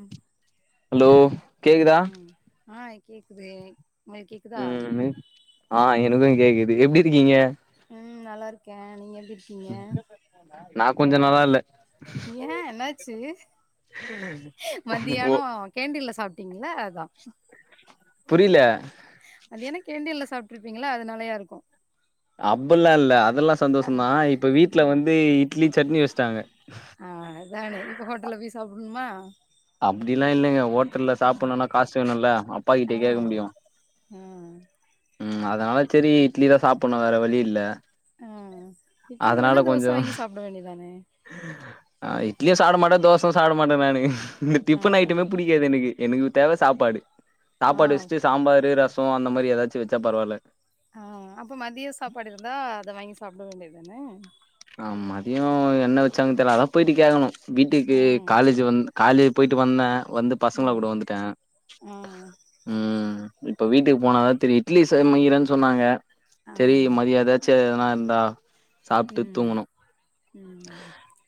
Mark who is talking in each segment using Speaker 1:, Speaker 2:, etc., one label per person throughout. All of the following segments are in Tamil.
Speaker 1: ம்
Speaker 2: ஹலோ கேக்குதா
Speaker 1: ம் ஆ கேக்குது உங்களுக்கு கேக்குதா
Speaker 2: ம் ஆ எனக்கோ கேக்குது எப்டி இருக்கீங்க
Speaker 1: ம் நல்லா இருக்கே நீங்க எப்டி இருக்கீங்க
Speaker 2: நா கொஞ்சோ நல்லா இல்ல
Speaker 1: ஏ என்னாச்சு
Speaker 2: ஓ
Speaker 1: மத்தியானோ கேண்டிண்ல சாப்ட்டீங்கள அதா
Speaker 2: புரில
Speaker 1: மதியானோ கேண்டில்ல சாப்ட்ருப்பீங்களா அதுநாளையா இருக்கோ
Speaker 2: அப்பல்லா இல்ல அதெல்லா
Speaker 1: ஆ
Speaker 2: சந்தோஷந்தா இப்ப
Speaker 1: ஆ
Speaker 2: வீட்டுல வந்து இட்லி, சட்னி வச்சுட்டாங்க
Speaker 1: ஆ அதானே இப்ப ஹோட்டல்ல போய் சாப்டணுமா
Speaker 2: அப்டியெல்லா இல்லங்க ஹோட்டல்ல சாப்பிடணுன்னா காசு வேணுல்லா அப்பா கிட்டே கேட்க முடியு
Speaker 1: ம்
Speaker 2: ம் அதனால சரி இட்லி தா சாப்பிடணு வேற வழி இல்ல
Speaker 1: ஆ இட்லி
Speaker 2: அதனால
Speaker 1: இல்லன்னா தோச
Speaker 2: கொஞ்சோ
Speaker 1: வாங்கி சாப்பிட வேண்டியதான
Speaker 2: இட்லியு சாட மாட்டே தோச சாடமாட்டே நானு இந்த
Speaker 1: ஆ
Speaker 2: டிப்பண் ஐட்டமே பு பிடிக்காது எனக்கு எனக்கு தேவ சாப்பாடு
Speaker 1: ஆ
Speaker 2: சாப்பாட வெச்சிட்டு சாம்பாரு ரசோ சோ அந்த மாதிரி ஏதாச்சி வெச்சா பரவால்ல
Speaker 1: ஆ அப்போ மதிய சாப்பாடு இருந்தா அத வாங்கி சாப்ட வேண்டியதான
Speaker 2: ஆ மதியோ என்ன வெச்சாங்க தெரில அதா போயிட்டு கேட்கணு வீட்டுக்கு
Speaker 1: ம்
Speaker 2: காலேஜ் வந்து காலேஜ் போயிட்டு வந்தே வந்து பசங்கள
Speaker 1: ம்
Speaker 2: கூட வந்துட்ட
Speaker 1: ஆ
Speaker 2: ம் இப்ப வீட்டுக்கு போனாதா தெரியு இட்லி செயிறன்னு சொன்னாங்க செரி
Speaker 1: ஆ
Speaker 2: மதிய ஏதாச்சி எதனா இருந்தா சாப்ட்டு
Speaker 1: ம்
Speaker 2: தூங்கணு
Speaker 1: ம்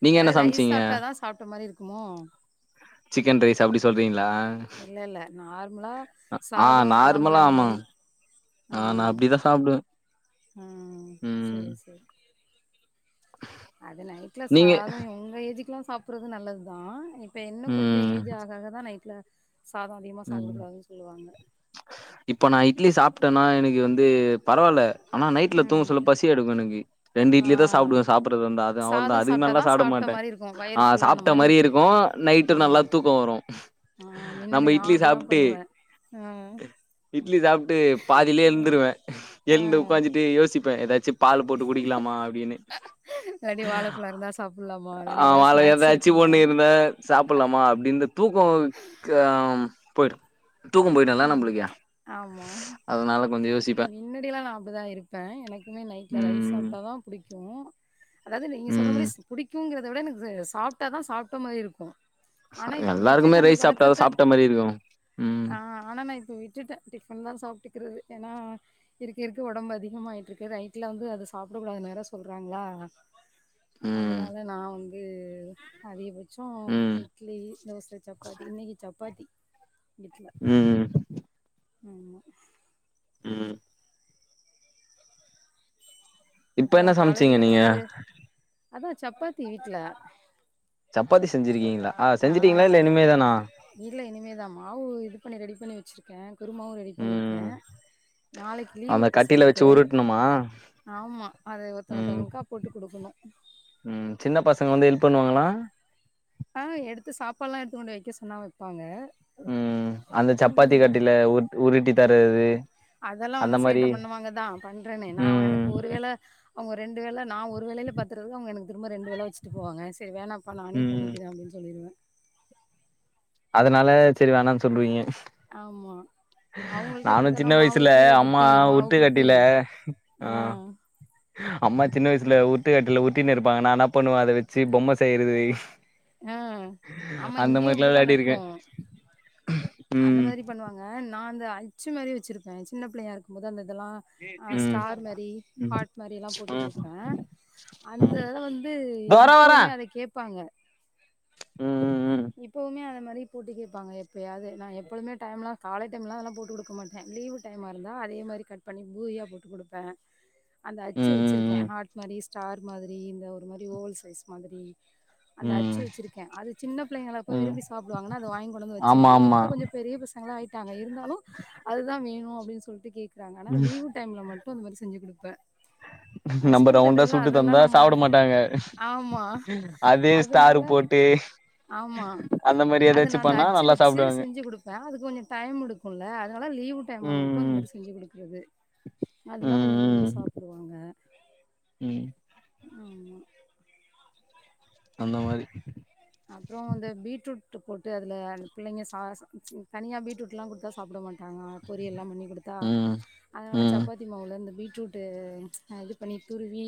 Speaker 2: நீங்க என்ன
Speaker 1: அதாவது ரைஸ்
Speaker 2: சமச்சீங்க
Speaker 1: சாப்ட்டாதா சாப்ட்ட மெரி இருக்குமோ
Speaker 2: சிக்கன் ரைஸ் அப்டி சொல்றீங்களா
Speaker 1: இல்ல இல்ல நார்மலா
Speaker 2: ஆ
Speaker 1: சாதோ கொழம்பு
Speaker 2: நார்மலா
Speaker 1: அந்த
Speaker 2: ஆமா
Speaker 1: மெரி ஆ
Speaker 2: நா அப்டிதா சாப்டுவே
Speaker 1: ஆ
Speaker 2: ம்
Speaker 1: செரி செரி அத நைட்ல
Speaker 2: நீங்க
Speaker 1: சாத எங்க ஏஜிக்குல்லா சாப்றது நல்லதுதா இப்ப இன்னும் கொஞ்ச
Speaker 2: ம்
Speaker 1: ஏஜி ஜ் ஆக ஆக தா நைட்ல சாதோ அதிகமா
Speaker 2: ம்
Speaker 1: சாப்பிடக் கூடாதுன்னு சொல்லுவாங்க
Speaker 2: இப்ப நா இட்லி சாப்ட்டன்னா எனக்கு வந்து பரவால்ல ஆனா நைட்ல துங்க
Speaker 1: ம்
Speaker 2: சொல்ல பசி சி எடுக்கும் எனக்கு ரெண்டு
Speaker 1: ஆ
Speaker 2: இட்லி தா சாப்டுவ சாப்பறதா இருந்தா அது அவளதா
Speaker 1: சாதோ
Speaker 2: அதுக்கு மேல்லா
Speaker 1: சாப்ட்டாதா சாப்ட்ட
Speaker 2: சாப்டமாட்ட
Speaker 1: மாரி இருக்கு
Speaker 2: ஆ
Speaker 1: வயிறு ஃபுல்லான
Speaker 2: சாப்ட்ட
Speaker 1: மாரி
Speaker 2: மெரி
Speaker 1: இருக்கு
Speaker 2: இருக்கோ
Speaker 1: ஆ
Speaker 2: நைட்டு நல்லா தூக்க வரும்
Speaker 1: ஆ மின்னாடி நா அப்டிதா பண்ணுவே ஆ
Speaker 2: இட்லி சாப்ட்டு பாதிலயே எழுந்துருவே எழுந்து
Speaker 1: ஆ
Speaker 2: உக்காஞ்சிட்டு யோசிப்ப ஏதாச்சி பால் போட்டு குடிக்கலாமா அப்டின்னு
Speaker 1: இல்லாட்டி வாழைப்பழம் இருந்தா சாப்புட்லாமா இல்லாட்டி
Speaker 2: ஆமா
Speaker 1: ஏதாவது
Speaker 2: அதுல
Speaker 1: ஸ்நாக்ஸ்
Speaker 2: ஏதாச்சி
Speaker 1: இருக்குமா
Speaker 2: ஒன்னு இருந்தா சாப்புல்லாமா அப்டின் இந்த தூக்கம் ஹ போயிடும் தூக்கம் போய்டும்ல நம்பளுக்க அதனால கொஞ்ச யோசி
Speaker 1: முன்னடில்லா நா அப்டிதா இருப்பே எனக்குமே நைட்ல ரைஸ்
Speaker 2: ம்
Speaker 1: சாப்ட்டாதா புடிக்கோ அதாவது நீங்க சொல்ற
Speaker 2: ம்
Speaker 1: மாரி புடிக்கங்குறத விட எனக்கு சாப்ட்டாதா சாப்ட்ட மாரி இருக்கோ ஆனா இப்ப விட்டுட்ட
Speaker 2: எல்லாருக்குமே
Speaker 1: அந்த
Speaker 2: ரைஸ் சாப்ட்டாதா
Speaker 1: பழக்கத்த
Speaker 2: சாப்ட்ட மாரி இருக்கு ம்
Speaker 1: ஆ ஆனா நா இப்ப விட்டுட்ட டிஃபன் தா சாப்ட்டுக்குறது ஏன்னா இருக்க இருக்க ஒடம்பு அதிகமாயிட்டு இருக்கு நைட்ல வந்து அத சாப்ட வேணா வேற சொல்றாங்களா
Speaker 2: ம்
Speaker 1: அதனால நா வந்து அதிகபட் சோ
Speaker 2: ம்
Speaker 1: இட்லி தோச சப்பாத்தி இன்னிக்கி சப்பாத்தி வீட்ல
Speaker 2: உம்
Speaker 1: ஆமா
Speaker 2: ம் இப்ப
Speaker 1: அப்பறோ
Speaker 2: என்ன
Speaker 1: காலேஜ்ல
Speaker 2: சமச்சீங்க
Speaker 1: இருந்து
Speaker 2: நீங்க
Speaker 1: வந்து அதா சப்பாத்தி வீட்ல
Speaker 2: சப்பாத்தி செஞ்சிருக்கீங்களா
Speaker 1: ஆ
Speaker 2: செஞ்சுட்டீங்களா இல்ல இனிமேதானா
Speaker 1: இல்ல இனிமேதா மாவு இது பண்ணி ரெடி பண்ணி வெச்சிருக் கே குருமாவு ரெடி பண்ணியிருக்க
Speaker 2: ம்
Speaker 1: நாளைக்கு லீவு பசங்களுக்கு
Speaker 2: மா
Speaker 1: ஆமா அத ஒருத்தவுங்க ஒருத்தவுங்களுக்கா போட்டு குடுக்கணோ
Speaker 2: ம் சின்ன பசங்க வந்து ஹெல்ப் பண்ணுவாங்களா
Speaker 1: ஆ எடுத்து சாப்பாடுல்லா எடுத்துக்கொண்டு வெய்க்க சொன்னா வெய்ப்பாங்க
Speaker 2: ம் அந்த சப்பாத்தி கட்டைல உ உருட்டி தறது
Speaker 1: அதெல்லா வந்து சேட்ட பண்ணுவாங்க தா பண்றேனே நா
Speaker 2: ம்
Speaker 1: எனக்கு ஒருவேள அவுங்க ரெண்டு வேல நா ஒரு வேலயில பாத்துறவ அவுங்க எனக்கு திரும்ப ரெண்டு வேல வெச்சுட்டு போவாங்க செரி வேணா சோ நானே
Speaker 2: ம்
Speaker 1: பண்ணீக்கிற அப்டீன்னு சொல்லிடுவ
Speaker 2: அதனால செரி வேணானு சொல்லுவீங்க
Speaker 1: ஆமா அவங்கள்ட்ட
Speaker 2: நானு
Speaker 1: குடுத்தோன்னா
Speaker 2: சின்ன
Speaker 1: மாவு
Speaker 2: வயசுல
Speaker 1: கீழ
Speaker 2: அம்மா
Speaker 1: கொட்டி மாவு
Speaker 2: உருட்டு
Speaker 1: கொட்டி
Speaker 2: கட்டைல ஆ அம்மா சின்ன வயசுல உருட்டுக்கட்டைல உருட்டின்னு இருப்பாங்க நா என்ன பண்ணுவே அத வெச்சு பொம்ம செய்யறது
Speaker 1: ஆ ஆமா
Speaker 2: அந்த
Speaker 1: இங்கேயு
Speaker 2: மாரிலா
Speaker 1: அப்டிதா நடக்கோ
Speaker 2: விளையாடிருக்கே
Speaker 1: அந்த
Speaker 2: ம்
Speaker 1: மாரி பண்ணுவாங்க நா அந்த அச்சு மாரி வெச்சிருப்ப சின்ன பிள்ளையா இருக்கும் போது அந்த இதுல்லா ஆ
Speaker 2: ம்
Speaker 1: ஸ்டார் மாரி
Speaker 2: ம்
Speaker 1: ஹார்ட் மாரி எல்லா போட்டு
Speaker 2: ம்
Speaker 1: குடுப்பே அந்த இதுலா வந்து
Speaker 2: இதோ வரே வரே
Speaker 1: இப்பவுமே அத கேப்பாங்க
Speaker 2: ம்
Speaker 1: இப்பவுமே அத மாரி போட்டு கேப்பாங்க எப்பயாது நா எப்பவுமே டைம்லா காலை டைம்லா அதெல்லா போட்டு குடுக்க மாட்டே லீவு டைமா இருந்தா அதே மாரி கட் பண்ணி பூரியா போட்டு குடுப்பே
Speaker 2: [inaudible]
Speaker 1: அந்த அச்சு
Speaker 2: ம் ம்
Speaker 1: வெச்சிருக்கே
Speaker 2: ம்
Speaker 1: ஹார்ட் மாரி ஸ்டார் மாதிரி இந்த ஒரு மாரி ஓவல் சைஸ் மாதிரி அந்த
Speaker 2: உம்
Speaker 1: அச்சு வெச்சிருக்கே அது சின்ன பிள்ளைகளாப்ப விரும்பி சாப்புடு வாங்கனா அத வாங்கி கொண்டாந்து
Speaker 2: ஆமா
Speaker 1: வெச்சது
Speaker 2: ஆமா
Speaker 1: இப்ப கொஞ்சோ பெரிய பசங்களாய்ட் டாங்க இருந்தாலு அதுதா வேணு அப்டீன்னு சொல்ட்டு கேக்குறாங்க ஆனா லீவு டைம்ல மட்டு அந்த மேரி செஞ்சு குடுப்ப
Speaker 2: நம்ப ரவுண்டா சுட்டு தந்தா
Speaker 1: நம்ம
Speaker 2: சாப்ட மாட்டாங்க
Speaker 1: ஆமா
Speaker 2: அதே ஸ்டாரு
Speaker 1: அதனால
Speaker 2: போட்டு
Speaker 1: ஆமா
Speaker 2: அந்த மாரி எதாச்சு பண்ணா நல்லா சாப்புடுவாங்க
Speaker 1: ட்டா அது கொஞ்சோ டைம் எடுக்கோல அதனால லீவு டைமா மட்டு அந்த
Speaker 2: ம்
Speaker 1: மாரி செஞ்சு குடுக்கறது அதெல்லா
Speaker 2: ம்
Speaker 1: கொஞ்சோ
Speaker 2: ம்
Speaker 1: விரும்பி சாப்புடுவாங்க
Speaker 2: ம்
Speaker 1: ஆமா
Speaker 2: அந்த மாரி
Speaker 1: அப்புறோ வந்து பீட்ரூட் போட்டு அதுல அந்த பிள்ளைங்க சா தனியா பீட்ரூட்லா குடுத்தா சாப்புட மாட்டாங்க பொரியல்லா பண்ணி குடுத் தா
Speaker 2: ம்
Speaker 1: அதனால
Speaker 2: ம்
Speaker 1: சப்பாத்தி மாவுல இந்த பீட்ரூட்டு் இது பண்ணி துருவி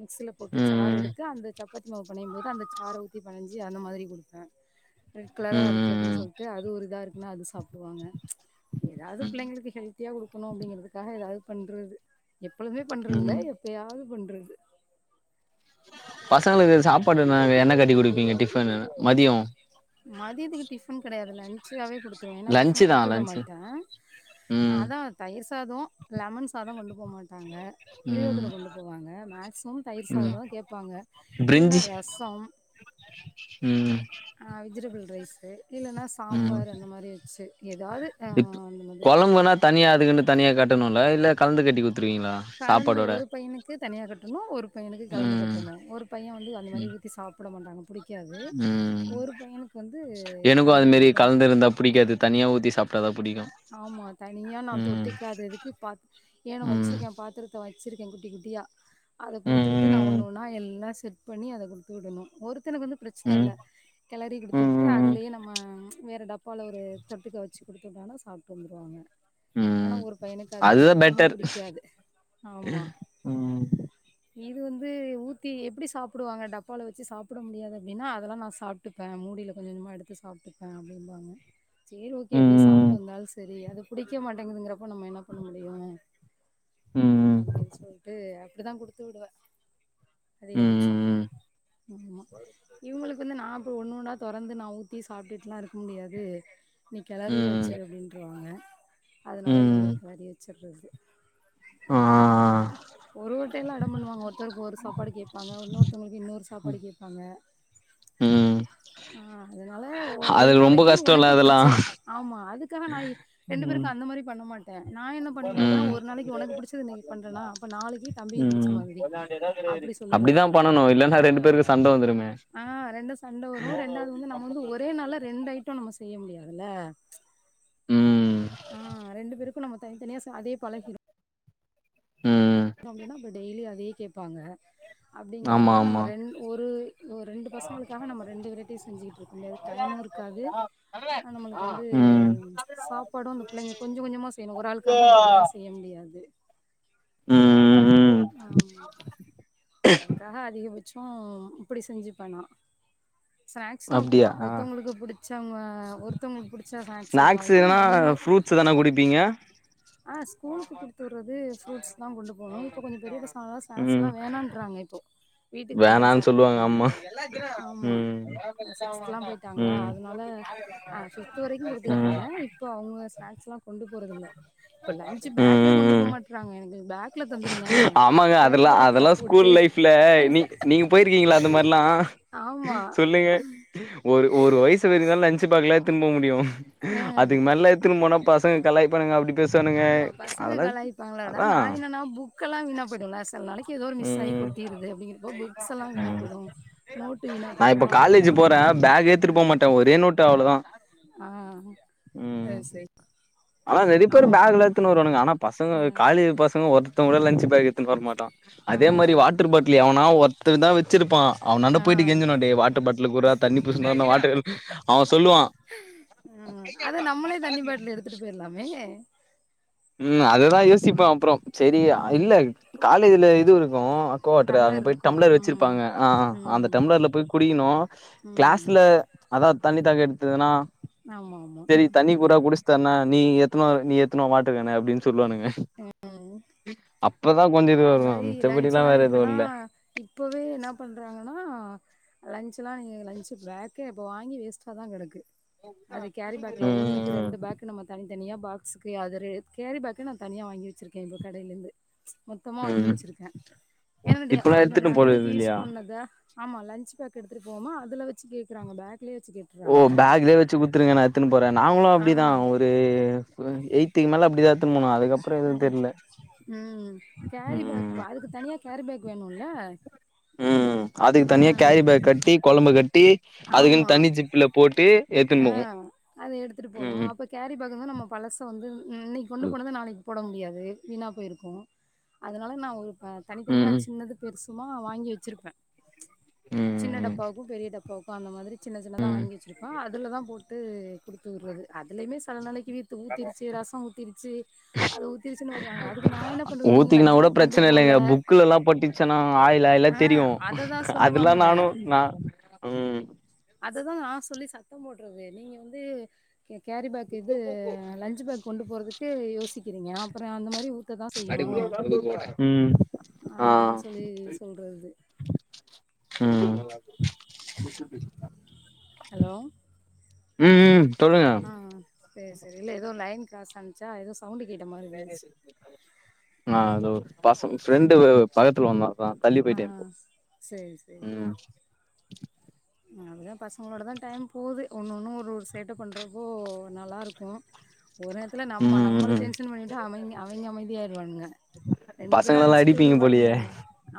Speaker 1: மிக்சல
Speaker 2: ம்
Speaker 1: போட்டு சாரு
Speaker 2: ம்
Speaker 1: எடுத்து அந்த சப்பாத்தி மாவு பெணையும் போது அந்த சார ஊத்தி செஞ்சி அந்த மாதிரி குடுப்பே ரெட் கலரா இருக்கு அப்படின்
Speaker 2: ம்
Speaker 1: சொல்ட்டு அது ஒரு இதா இருக்குதுன்னா அது சாப்டுவாங்க ஏதாவது
Speaker 2: ம்
Speaker 1: பிள்ளைங்களுக்கு ஹெல்த்தியா குடுக்கணு அப்படிங்கறதுக்காக ஏதாவது பண்றது எப்பழுதுமே பண்றது
Speaker 2: ம்
Speaker 1: இல்ல
Speaker 2: ம்
Speaker 1: எப்பயாவது பண்றது
Speaker 2: பசங்களுக்கு சாப்பாடுங்க என்ன கட்டி குடுப்பீங்க டிஃபன்னு மதியோ
Speaker 1: மதியத்துக்கு டிஃபன் கெடையாதுல்ல லஞ்ச்சாவே குடுத் தே ஏன்னா
Speaker 2: லன்ச்சு
Speaker 1: டிபன்
Speaker 2: தா
Speaker 1: குடுத்து விட
Speaker 2: லன்ச்சு
Speaker 1: மாட்டே
Speaker 2: ம்
Speaker 1: அதா தயிர் சாதோ லெமன் சாதோ கொண்டு போக மாட் டாங்க
Speaker 2: ம்
Speaker 1: புளியோதரை கொண்டு போவாங்க மேக்சிமம் தயிர் சாத
Speaker 2: ம்
Speaker 1: தா கேப்பாங்க இல்லனா
Speaker 2: பிரிஞ்சி
Speaker 1: ரசம்
Speaker 2: ம்
Speaker 1: ஆ வெஜிடபிள் ரைஸு இல்லன்னா
Speaker 2: ம்
Speaker 1: சாம்பார் அந்த மாரி வச்சு ஏதாவது
Speaker 2: இப்
Speaker 1: அந்த மாதிரி
Speaker 2: கொழம்புனா தனியா அதுக்குன்னு தனியா கட்டணுல்ல இல்ல கலந்து கட்டி குடு
Speaker 1: கலந்து ஒரு பையனுக்கு தனியா கட்டணு ஒரு பையனுக்கு கலந்து
Speaker 2: ம்
Speaker 1: கட்டணு ஒரு பைய வந்து அந்த மாதிரி
Speaker 2: ம்
Speaker 1: ஊத்தி சாப் ப்பிட மாட்டாங்க பிடிக்காது
Speaker 2: ம்
Speaker 1: ஒரு பையனுக்கு வந்து
Speaker 2: எனக்கு
Speaker 1: காரி
Speaker 2: அது மாரி
Speaker 1: குடுக்கணு
Speaker 2: கலந்து இருந்தா பிடிக்காது தனியா ஊத்தி சாப்ட்டா தா சாப்ட்டாதா புடிக்கு
Speaker 1: ஆமா தனியா நா
Speaker 2: ம்
Speaker 1: தொட்டுக்காததுக்கு பா ஏன்ன
Speaker 2: ம்
Speaker 1: வச்சிருக்கே பாத்துர வச்சிருக்கே குட்டி குட்டியா அத குடுத்து
Speaker 2: ம்
Speaker 1: விட்டு நா
Speaker 2: ம்
Speaker 1: ஒண்ணும்ன்னா எல்லா செ ட் பண்ணி அத குடுத்து விடணு ஒருத்தனுக்கு வந்து பிரச்சன
Speaker 2: ம்
Speaker 1: இல்ல கெளரி குடுத்து விட்டு
Speaker 2: ம் ம்
Speaker 1: அதுலயே நம்ம வேறு டப்பால்ல ஒரு தொட்டுக்க வச்சு குடுத்து விட்டாலோ பாப்போண்டுவாங்க ஆனா
Speaker 2: ம்
Speaker 1: ஒரு பையனுக்கு அது
Speaker 2: அதுதா
Speaker 1: சுத்தமா
Speaker 2: பெட்டர்
Speaker 1: புடிக்காது ஆமா
Speaker 2: ம்
Speaker 1: இது வந்து ஊத்தி எப்டி சாப்புடுவாங்க டப்பாவ வச்சு சாப்பட முடியாது அப்படின்னா அதெல்லா நா சாப் ட்டுப்பே மூடியில கொஞ்சமா எடுத்து சாப்ட்டுப்ப அப்டின்பாங்க சரி ஓகே எப்படியோ சாப்
Speaker 2: ம் ம்
Speaker 1: சரி அது புடிக்க மாட்டேங்குங்றதப்போ நம்ம என்ன பண்ண முடியு
Speaker 2: ம்
Speaker 1: அப்டின்னு சொல்ட்டு அப்படிதா குடுத்து விடுவ
Speaker 2: ம்
Speaker 1: அதிகபட்ச
Speaker 2: ம்
Speaker 1: ஆமா இவங்களுக்கு வந்து நா ஒன்னு ஒன்னா தொறந்து நா ஊத்தி சாப்ட்டுலா இருக்க முடியாது நீ கெலரியே
Speaker 2: ம்
Speaker 1: வை
Speaker 2: ம்
Speaker 1: அப்டின்ருவாங்க அதனால
Speaker 2: ம்
Speaker 1: இவங்ளுக்கு வரி வச்சுறது
Speaker 2: ஆ
Speaker 1: ஒரு ஒரு டைம்ல்ல அடம் பண்ணுவாங்க ஒருத்தருக்கு ஒரு சாப்பாடு கேப்பாங்க இன்னொருத்தவங்களுக்கு இன்னொரு சாப்பாடு கேப்பாங்க
Speaker 2: ம்
Speaker 1: ஆ அதனால ஓ
Speaker 2: அது
Speaker 1: ஒரு
Speaker 2: ரொம்ப
Speaker 1: நாளைக்கு
Speaker 2: கஷ்டோல்ல
Speaker 1: உனக்கு
Speaker 2: அதெல்லா
Speaker 1: புடிச்சது ஆமா அதுக்காக நா இ ரெண்டு
Speaker 2: ம்
Speaker 1: பேருக்கு அந்த மாரி பண்ண மாட் ட நா என்ன பண்ணிடுவேன்னா
Speaker 2: ம்
Speaker 1: ஒரு நாளைக்கு ஒனக்கு புடிச்சது இன்னைக்கு பண்றேன்னா
Speaker 2: ம்
Speaker 1: அப்டி சொல்லிருவேன்
Speaker 2: அப்படித்தா பண்ணணு இல்லன்னா ரெண்டு பேருக்கு சண்ட வந்துருமே
Speaker 1: ஆ ரெண்டு சண்ட வரு ரெண்டாவது வந்து நம்ம வந்து ஒரே நாள்ல ரெண்டு அய்ட்டம் நம்ம செய்ய முடியாதுல்ல
Speaker 2: ம்
Speaker 1: ஆம் ரெண்டு பேருக்கு நம்ம தனித்தனியா ச அதே பழகிரு
Speaker 2: ம்
Speaker 1: அப்படின்னா அபோ டெய்லி அதே கேப்பாங்க
Speaker 2: ஆமா
Speaker 1: அப்படிங்குறதுனால நம்ம
Speaker 2: ஆமா
Speaker 1: ரெண் ஒரு ஒரு ரெண்டு பசங்களுக்காக நம்ம ரெண்டு வெரைடிஸ் செஞ்சுட்ருக் பண்றதுக்கு டைமு இருக்காது அ நம்மளுக்கு வந்து
Speaker 2: ம்
Speaker 1: சாப்பாடு அங் பிள்ளைங்க கொஞ்சோ கொஞ்சம செய்யணு ஒரு ஆளுக்காக நம்ம தனியா செய்ய முடியாது
Speaker 2: ம் ம்
Speaker 1: ஆமா அதுக்காக அதிகபட் சோ இப்படி செஞ்சு பன்னா ஸ்நாக்ஸும் அப்டி
Speaker 2: அப்டியா
Speaker 1: தா ஒருத்தங்கொளுக்கு புடிச் சவங்க ஒருத்தங்ளுக்கு புடிச்சா ஸ்நாக்ஸ் ஒரு நாளைக்கும்
Speaker 2: ஸ்நாக்ஸ்னா
Speaker 1: மன்னொ
Speaker 2: ஃப்ரூட்ஸ் தான குடிப்பீங்க
Speaker 1: அ ஸ்கூலுக்கு குடுத்துவுற்றது ஃப்ரூட்ஸ் தா கொண்டு போணும் இப்போ கொஞ்ச பெரிய பசங்க ஆனனால
Speaker 2: ம்
Speaker 1: ஸ்நாக்ஸ்லா வேணான்றாங்க இப்போ வீட்டுக்கு வந்தா
Speaker 2: வேணான்னு சொல்லுவாங்க
Speaker 1: சாப்புட்றாங்க
Speaker 2: அம்மா
Speaker 1: ஆமா
Speaker 2: ம்
Speaker 1: சிக்ஸ்த்லா போயிட்டாங்களா
Speaker 2: ம் ம்
Speaker 1: அதனால அ ஃபிப்த் வரைக்கு குடுத்துக்கிட்ருந்தேன் இப்போ அவுங்க ஸ்நாக்ஸ்லா கொண்டு போறதுல்ல இப்ப லஞ்சு
Speaker 2: ம்
Speaker 1: பேக்கே
Speaker 2: ம்
Speaker 1: கொண்டு போ
Speaker 2: ம்
Speaker 1: மாட்றாங்க எனக்கு பேக்ல தந்துருங்க
Speaker 2: ஆமாங்க
Speaker 1: கேரி
Speaker 2: அதெல்லா
Speaker 1: பேக்ல
Speaker 2: அதெல்லா ஸ்கூல்
Speaker 1: போட்டு
Speaker 2: லைஃப்ல நீ நீங்க போயிருக்கீங்ளா அந்த மார்லா
Speaker 1: ஆமா
Speaker 2: சொல்லுங்க ஒரு ஒரு வயசு வரை தா லஞ்சு ஞ்சு பேக்குலா எத்ன்னு போக முடியும்
Speaker 1: ஆ
Speaker 2: அதுக்கு மேல எத்ன்னு போனா பசங்க கலாய் பாணுங்க அப்டி பேசுவானுங்க
Speaker 1: ஆமா பசங்க
Speaker 2: அதெல்லா
Speaker 1: கலாய்ப்பாங்களாட
Speaker 2: அதா
Speaker 1: நா என்னன்னா புக்கெல்லா வீணா போயிடுலா செல நாளைக்கு ஏதோ ஒரு மிஸ் ஆயி
Speaker 2: ம்
Speaker 1: கொட்டிருது அப்படிங்கிறப்போ புக்ஸ் எல்லா வீணா போய்டும்
Speaker 2: நா இப்ப காலேஜ் போற பேக்கே எத்துட்டு போ மாட்ட ஒரே நோட்டு அவ்ளதா
Speaker 1: ஆ
Speaker 2: உம்
Speaker 1: அது சரி
Speaker 2: ஆனா நெறை பேர்
Speaker 1: ஆமா
Speaker 2: பேகுலா எத்துனு வருவாணுங்க ஆனா பசங்க காலே பசங்க ஒருத் த்தன் கொட லஞ்சு பேக் எத்துன்னு வர மாட்டா
Speaker 1: ஆ
Speaker 2: அதே மாரி வாட்டர் பாட்டில் எவனா ஒருத்தர் தா வச்சிருப்பான் அவனாண்ட
Speaker 1: ஆ
Speaker 2: போயிட்டு கெஞ்சனும் டேய் வாட்டர் பாட்லு குட்ரா தண்ணி புடிசுனு வரணும் வாட்டர்கல் அவன் சொல்லுவான்
Speaker 1: உம் அத நம்மளே தண்ணி பாட்ல எடுத்துட்டு போயிர்லாமே
Speaker 2: உம் அததா யோசிப்ப அப்புறோம் சேரி
Speaker 1: ம்
Speaker 2: இல்ல காலேஜ்ல இது இருக்கும் கோட்டுரு அங்க
Speaker 1: டம்ளர்
Speaker 2: போய்
Speaker 1: இருக்கு
Speaker 2: டம்ளர்
Speaker 1: ம்
Speaker 2: வச்சிருப்பாங்க ஆ அந்த
Speaker 1: ம்
Speaker 2: டம்ளர்ல போய் குடிக்கணும்
Speaker 1: ம்
Speaker 2: க்ளாஸ்ல அதா தண்ணி தாக எடுத்ததுன்னா
Speaker 1: ஆமா ஆமா
Speaker 2: சேரி தண்ணி பூறா குடிச் த்தண்னா நீ எத்துனுவா நீ எத்துனுவா வாட்ருக்கேன அப்டின் சொல்வானுங்க அப்பதா கொஞ்ச இதுவாருகும் மிச்சபடிலா வேற எதுவுல்ல
Speaker 1: இப்போவே என்ன பண்றாங்கனா லஞ்ச்லா நீங்க லஞ்ச்சுபேக்கே ப்ப வாங்கி வேஸ்ட்டாதா கெடக்கு அது கேரி பேக்ல ஒன்னுக்கு
Speaker 2: ம்
Speaker 1: ரெண்டு பேக் இது நம்ம தனித்தனியா பாக்ஸுக்கு அத ரே கேரி பேக் நா தனியா வாங்கி வச்சிருக்கே இப்போ கடையிலருந்து மொத்தமா வாங்கி
Speaker 2: ம்
Speaker 1: வச்சிருக்க ஏன்னனா டே
Speaker 2: இப்பல்லா
Speaker 1: அத
Speaker 2: எடுத்துட்டு
Speaker 1: நா இன்னைக்கி
Speaker 2: போறது
Speaker 1: யூஸ்
Speaker 2: இல்லையா
Speaker 1: பண்ணத ஆமா லஞ்ச் பேக் எடுத்துட்டு போமா அதுல வச்சு கேக்குறாங்க பேக்லே வச்சு கே
Speaker 2: ஓ பேக்லே வச்சு குத்துருங்க நா எத்துனு போற நாங்குளும்
Speaker 1: ஆ
Speaker 2: அப்டிதா ஒரு ஒ எய் த்திகு மேல அப்டிதா எத்துன்னு போனோ அதுக்கப்புறோ எதுவு தெர்ல
Speaker 1: ம் ம் கேரி பேக்
Speaker 2: ம்
Speaker 1: வா அதுக்கு தனியா கேரி பேக் வேணுல்ல
Speaker 2: ம் அதுக்கு தனியா கேரி பேக் கட்டி கொழம்ப கட்டி அதுக்குன் தனி ஜிப்புல போட்டு எத்துன்னு
Speaker 1: அ
Speaker 2: போவோ
Speaker 1: அத எடுத்துட்டு போனும்
Speaker 2: ம்
Speaker 1: அப்பக் கேரி பேகன்னா நம்ம பழச வந்து இன்னக்கி கொண்டு போனத நாளைக் போடன முடியாது வீணாப் போயிருக்கும் அதுனால நா ஒரு ப தனித்தனியா
Speaker 2: ம்
Speaker 1: ஜின்னது பெருசுமா வாங்கி வச்சிருப்ப அ ஜின்ன
Speaker 2: ம்
Speaker 1: டப்பாவுக்கும் பெரிய டப்பாவுக்கும் அந்த மாதிரி ஜின்ன ஜின்னதா
Speaker 2: ம்
Speaker 1: வாங்கி வச்சிருப்பன் அதுலதா போ ட்டு குடுத்து உர்றது அதுலயுமே செல நாளக்கி வீத்து ஊத்திருச்சி ரசம் ஊத்திருச்சி அது ஊத்திருச்சின் வருவாங்க அதுகு நா என்ன பண்றது நீங்க லஞ்சு பேக் கொண்டு போல
Speaker 2: புக்லலெல்லாபட்டிச்சன்னா ஆய்லாய்லா
Speaker 1: ஆ
Speaker 2: தெரியும்
Speaker 1: அததான்
Speaker 2: அதுலா
Speaker 1: சொல்லுவாங்க
Speaker 2: நானும் நா ம்
Speaker 1: அதுதா நா சொல்லி சத்தம் போட்றது நீங்க வந்து கே கேரி பேக் இது லஞ்ச்சு பேக் கொண்டு போறதுக்கு யோசிக்கிறீங்க அப்பற அந்த மாரி ஊத் த்ததா செய்யும்
Speaker 2: ம் ஆ
Speaker 1: அப்டின் சொல்லி தோன்றது
Speaker 2: ம்
Speaker 1: ஹலோ
Speaker 2: ம் ம் சொல்லுங்க
Speaker 1: ஆ சேரி சேரி இல்ல எதோ லைன் க்ராஸ் ஆனுச்சா எதோ சவுண்டு கேட்ட மாரி
Speaker 2: நா தோ பசங் ஃப்ரெண்டு வேற பக்கத்துல வந்தா நா தள்ளி
Speaker 1: ஆ
Speaker 2: போய்ட்டே இப்போ
Speaker 1: சேரி
Speaker 2: ம்
Speaker 1: அப்டிதா பசங்களோடதா டைம் போது ஒன்னொன்னு ஒரொரு சேட்ட பண்றப்போ நல்லாருக்கு ஒரு நேத்துல நம்ம
Speaker 2: ம் ம்
Speaker 1: நம்மள
Speaker 2: ம்
Speaker 1: டென்ஷன் பண்ணிவுட்டு அவங்கெ அவங்கெ அமைதியாருவானுங்க ரெண்டு பேரு
Speaker 2: பசங்களலா
Speaker 1: அடிச்சிட்டு
Speaker 2: அடிப்பீங்க
Speaker 1: விழுவானுங்க
Speaker 2: போலயே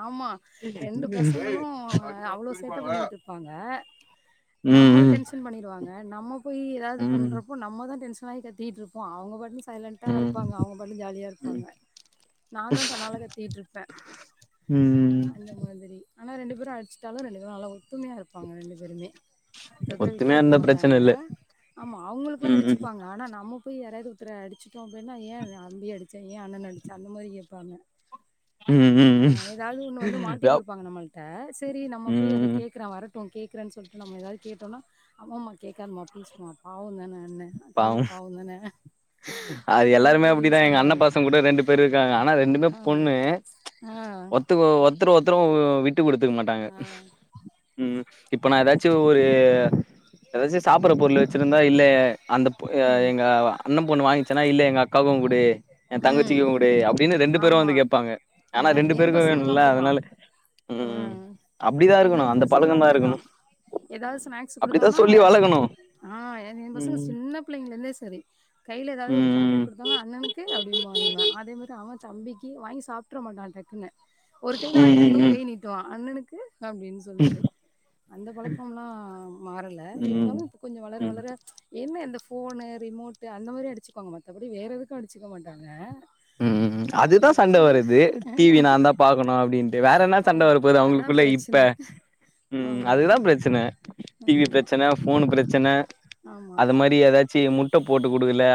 Speaker 1: ஆமா ரெண்டு பசங்களு அ அவ்ளோ சேட்ட பண்ணிகிட்ருப்பாங்க
Speaker 2: ம்
Speaker 1: நம்மள
Speaker 2: ம்
Speaker 1: டென்ஷன் பண்ணிருவாங்க நம்ம போயி எதாது
Speaker 2: ம்
Speaker 1: பண்றப் போ நம்மதா டென்ஷனாயி கத்திக்கிட்ருப்போ அவுங்க பாட்னு சைலண்டா
Speaker 2: ம்
Speaker 1: இருப்பாங்க அவுங்க பாட்னு ஜாலியா
Speaker 2: ம்
Speaker 1: இருப்பாங்க நாந்தா தன்னால கத்திக்கிட்ருப்பே
Speaker 2: ம் ம்
Speaker 1: ஆனா ரெண்டு பேரு அடிச்ட்டாலு ரெண்டு பேரு நல்லா ஒத்துமையா இருப்பாங்க ரெண்டு பேருமே த்ததுர விட்டு
Speaker 2: ஒத்துமையா
Speaker 1: குடுக்க
Speaker 2: இருந்தா
Speaker 1: மாட்டாங்க
Speaker 2: பிரச்சன இல்ல
Speaker 1: ஆமா அவுங்களுக்குல்ல
Speaker 2: ம் ம்
Speaker 1: அடிச்சுப்பாங்க ஆனா நம்ம போய் யாராவ்து த்தர அடிச்சுட்டோ அப்டினா ஏ அம்பிய அடிச்ச ஏ அண்ணன அடிச்ச அந்த மாரி கேப்பாங்க
Speaker 2: ம் ம்
Speaker 1: அ
Speaker 2: ம்
Speaker 1: எதாவ்து ஒன்னு வந்து மாட்டி
Speaker 2: யாப்
Speaker 1: குடுப்பாங்க நம்மள்ட்ட சேரி நம்ம போயி அத
Speaker 2: ம்
Speaker 1: கேக் க்குற வரட்டு கேக்குறன் சொல்ட்டு நம்ம எதாவ்து கேட்டோனா அம்மாம்மா கேக்காதமா ப்ளீஸ்மா பாவந்தான அண்ண தம்பி
Speaker 2: பாவோ
Speaker 1: பாவந்தான
Speaker 2: அது
Speaker 1: அந்த
Speaker 2: எல்லாருமே
Speaker 1: மாரி
Speaker 2: அப்டிதா எங்க அண்ண
Speaker 1: சொல்லுவாங்க
Speaker 2: பசங்கூட ரெண்டு பேரு இருக்காங்க ஆனா ரெண்டுமே
Speaker 1: ஆ
Speaker 2: பொண்ணு
Speaker 1: ஆ
Speaker 2: த்துகோ ஒர்த்தர ஒர்த்தரு அ விட்டு குடுத்துக்க மாட்டாங்க
Speaker 1: ஆ
Speaker 2: ம் இப்ப நா எதாச்சு ஒரு எதாச்சு சாப்புட்ற பொருளு வெச்சிருந்தா இல்லயே அந்தப் பொ எ
Speaker 1: ம்
Speaker 2: எங்க வா அண்ணம்பொண்ணு வாங்கிச்சுனா இல்ல எங்கக்காக்கு குடு எ
Speaker 1: ம்
Speaker 2: தங்கச்சிக்கு குடு அப்டின்னு ரெண்டு பேரு
Speaker 1: ஆமா
Speaker 2: வந்து கேப்பாங்க
Speaker 1: ஆ
Speaker 2: ஆனா ரெண்டு
Speaker 1: ஏ
Speaker 2: பேருக்கு
Speaker 1: பசங்களு
Speaker 2: வேணுல்ல
Speaker 1: அப்டிதா
Speaker 2: அதுனால
Speaker 1: ஆ
Speaker 2: ம் அப்டிதா
Speaker 1: ஏ
Speaker 2: இருக்கணு அந்த
Speaker 1: பசங்களு
Speaker 2: பழக்கந்தா
Speaker 1: அப்டிதா
Speaker 2: இருக்கணு
Speaker 1: ஏதாவது
Speaker 2: ம்
Speaker 1: ஸ்நாக்ஸ்
Speaker 2: அப்டித்தா
Speaker 1: குடுத்தோனா
Speaker 2: சொல்லி வளக்கணு
Speaker 1: ஆ எ எ பசங்க
Speaker 2: ம்
Speaker 1: சின்ன பிள்ளைங்கல இருந்தே செரி கைல எதாவ் ஒரு சாக்லேட்
Speaker 2: ம்
Speaker 1: குடுத்தது அண்ணனுக்கு அப்டின்ம்பா இவ அதே மாரி அவ தம்பிக்கு வாங்கி சாப்ட்ற மாட்டா டக்குனு ஒரு கைல வாங்கிட்டு
Speaker 2: ம் ம்
Speaker 1: இன்னொரு
Speaker 2: ம்
Speaker 1: கை நீட் டுவா அண்ணனுக்கு அப்டின் சொல்ட்டு அந்த பழக்கம்லா மாறல
Speaker 2: ம்
Speaker 1: இருந்தாலு இப்ப கொஞ்ச வளர
Speaker 2: ம்
Speaker 1: வளர என்ன இந்த ஃபோனு ரிமோட்டு் அந்த மாரி அடிச்சுக்குவாங்க மத்தபடி வேற எதுக்கு அடிச்சிக்க மாட்டாங்க
Speaker 2: ம் ம் அதுதா
Speaker 1: அதிகபட்ச
Speaker 2: சண்ட
Speaker 1: இந்த
Speaker 2: வருது டி வி நாந்தா பாக்கணு அப்டின்ட்டு வேற என்ன சண்ட
Speaker 1: ஆமா
Speaker 2: வர போகுது
Speaker 1: அதா
Speaker 2: அவ்ங்களுக்குள்ள இப்ப
Speaker 1: பிரச்சன
Speaker 2: ம்
Speaker 1: ஆமா
Speaker 2: அதுதா பிரச்சன டி வி
Speaker 1: ஆமா
Speaker 2: பிரச்சன ஃபோனு பிரச்சன
Speaker 1: ஆமா
Speaker 2: அத மாரி எதாச்சு முட்ட போட்டு குடுக்கல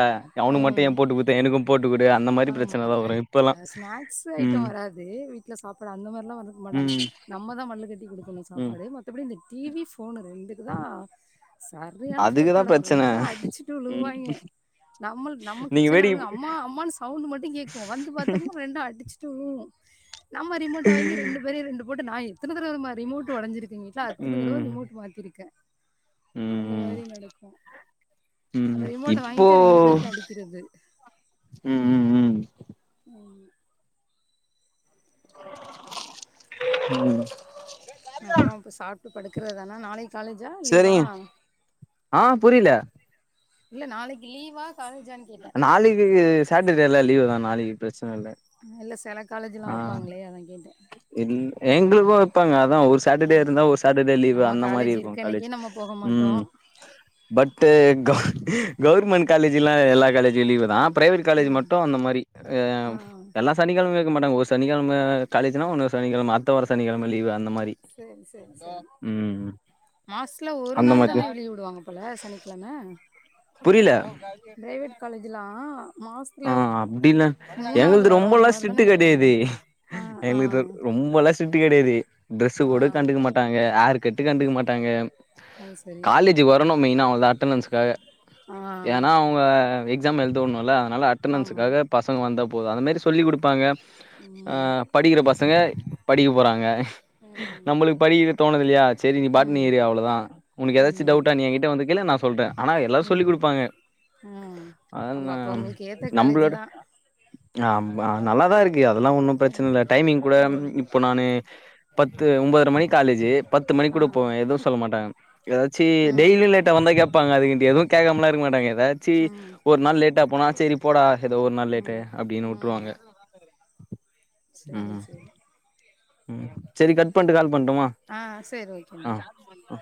Speaker 2: அவனுக்கு மட்டு ஏ
Speaker 1: ம்
Speaker 2: போட்டு குடுத்த எனக்கு போட்டுக்குடு அந்த மாரி பிரச்சன தா வரு இப்
Speaker 1: அ ஸ்நாக்ஸ் ஐட்ட வராது வீட்ல சாப்பாடு அந்த மார்லா வரக்க மாட்டாங்க
Speaker 2: ம்
Speaker 1: நம்ம தா மல்லுக்கட்டி குடுக்கணு
Speaker 2: ம்
Speaker 1: சாப்பாடு மத்தபடி இந்த டி வி ஃபோனு ரெண்டுக்கு தா சரியான ஃபைட்
Speaker 2: அதுக்குதா
Speaker 1: நடக்கு ரெண்டு
Speaker 2: பிரச்சன
Speaker 1: பேரு அடிச்சுட்டு
Speaker 2: ம்
Speaker 1: விழுகுவாங்கெ நம்மள்க்கு நம்ம
Speaker 2: நீங்க
Speaker 1: கிச்சன்ல கெடந்து
Speaker 2: வேடிக்க
Speaker 1: அம்மா அம்மானு சவுண்டு மட்டு கேக்கு வந்து பாத்தம்னா ரெண்டு அடிச் நம்ம ரிமோட்ட வாங்கி ரெண்டு பேரும் ரெண்டு போட்டு நான் எத்தன தடவ அந்த மாரி ரிமோட் உடஞ்சிருக் எங்க வீட்ல அத்தன தடவை
Speaker 2: ம்
Speaker 1: ரிமோட் மாத்திருக்கன்
Speaker 2: ம்
Speaker 1: அந்த
Speaker 2: ம்
Speaker 1: மாரி நடக்கும் அத
Speaker 2: ம்
Speaker 1: ரிமோட்
Speaker 2: இப்போ
Speaker 1: வாங்கிட்டு ட்டு ரெண்டு பேருக்கு அடிக்கிறது
Speaker 2: ம் ம் ம்
Speaker 1: ம்
Speaker 2: ம்
Speaker 1: அப்புறோம் அப்ப சாப்ட்டு படுக்கறதுதானா நாளைக்கு காலேஜா லீவா
Speaker 2: சரிங்க ஆ புரியில
Speaker 1: இல்ல நாளைக்கு லீவா காலேஜ்
Speaker 2: நாளைக்கு சாட்டர்டேல லீவ் தான் நாளைக்கு பிரச்சனல்ல
Speaker 1: இல்ல செல காலேஜ்லாம் வெப்பாங்களே அதான் கேட்டன்
Speaker 2: இல்ல எங்ளுக்கும் வெப்பாங்க அதான் ஒரு
Speaker 1: ஆ
Speaker 2: சாட்டர்டே இருந்தா ஒரு சாட்டர்டே லீவு்
Speaker 1: நம்ம
Speaker 2: அந்த மாரி
Speaker 1: காலேஜ்
Speaker 2: இருக்கும்
Speaker 1: இருக்க
Speaker 2: காலேஜ்
Speaker 1: அன்னைக்கே நம்ம போக மாட்டோ
Speaker 2: ம் பட்டு் கவுவர்மெண்ட் காலேஜ்லாம் எல்லா காலேஜூம் லீவு் தான் ப்ரைவேட் காலேஜ்
Speaker 1: ம்
Speaker 2: மட்டும் அந்த மாரி
Speaker 1: ஆ
Speaker 2: எல்லாம் சனிக்கிழம இருக்க மாட்டாங்க ஒரு சனிக்கிழம காலேஜ்னா இன்னோரு சனிக்கழம அடுத வார சனிக்கழம லீவ் அந்த மாரி
Speaker 1: சேரி சேரி சேரி
Speaker 2: ம்
Speaker 1: மாஸ்ல ஒரு
Speaker 2: அந்த
Speaker 1: நாள்
Speaker 2: மாரி
Speaker 1: தான லீவு விடுவாங்க போல சனிக்கிழம
Speaker 2: புரில
Speaker 1: லேட் காலேஜ்ஜுலாம் மாஸ்
Speaker 2: ஆ அப்டின்னா எங்களது
Speaker 1: அந்த
Speaker 2: ரொம்பல்லாம்
Speaker 1: மாரி
Speaker 2: ஸ்டிட்டு
Speaker 1: தானே விடுவாங்க
Speaker 2: கெடயாது
Speaker 1: ஆ ஆ
Speaker 2: எங்களுக்கு ரொம்பல்லா சிட்டு கிடயாது டிரெஸ்
Speaker 1: ஆ
Speaker 2: கூட கண்டுக்க மாடாங்க ஹேர் கட் கண்டுக்க மாடாங்க
Speaker 1: அது சரி
Speaker 2: காலேஜ்க்கு வரணும் மெயினா அவ்வளோதான் அட்டன்ஸ்காக
Speaker 1: ஆ
Speaker 2: ஏன்னா அவங்க எக்ஸாம் எழுத வுடணும்ல அதனால
Speaker 1: ஆமா
Speaker 2: அட்டெண்டன்ஸுக்காக பசங்க வந்தா போதும் அந்தமாரி சொல்லி குடுப்பாங்க ஆ
Speaker 1: ம்
Speaker 2: படிக்கிற பசங்க படிக்க போறாங்க
Speaker 1: ம்
Speaker 2: நம்மளுக்கு படிக்கதோணுது இல்லியா சரி நீ பாட்னி
Speaker 1: ம்
Speaker 2: இரு அவ்வளோவு தான் உனக்கு ஏதாச்சும்
Speaker 1: ம்
Speaker 2: டவுடா நீ ஏன் கிட்ட வந்து கேளு நான்சொ சொல்றேன் ஆனா எல்லாம் சொல்லிக்
Speaker 1: ம்
Speaker 2: கொடுப்பாங்க
Speaker 1: ஆ
Speaker 2: அத
Speaker 1: அவங்க அப்ப உங்களுக்கு ஏத்த காலேஜ்
Speaker 2: நம்மளோட
Speaker 1: தா
Speaker 2: ஆமா நல்லாதான் இருக்கு அதெல்லாம் ஒன்னும் பிரச்சன இல்ல டைமிங் கூட
Speaker 1: ம்
Speaker 2: இப்ப நானு பத்து ஒன்பதர மணிக்கு காலேஜ் பத்து மணி கூட
Speaker 1: ம்
Speaker 2: போவேன் எதுவும் சொல்ல மாட்டாங்க ஏதாச் சி
Speaker 1: ம்
Speaker 2: டெய்லியும் லேட்டா வந்தா கேப்பாங்க அதுக்குன்ட்டு எதுவும் கேக்காமலா இருக்க மாட்டாங்க ஏதாச்சி
Speaker 1: ம்
Speaker 2: ஒரு நாள் லேட்டா போனா செரி போடா ஏதோ ஒரு நாள் லேட்டு
Speaker 1: ம்
Speaker 2: அப்டின்னு உட்ருவாங்க
Speaker 1: செரி செரி
Speaker 2: ம் செரி கட் பண்ட்டு கால் பண்ட்டுமா
Speaker 1: ஆ சரி ஓகேம்மா
Speaker 2: ஆ ஆ